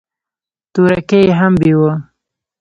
تورکى يې هم بېوه.